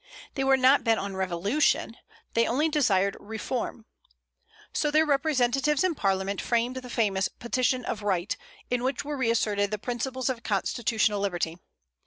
They were not bent on revolution; they only desired reform. So their representatives in Parliament framed the famous "Petition of Right," in which were reasserted the principles of constitutional liberty.